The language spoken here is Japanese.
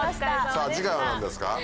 さぁ次回は何ですか？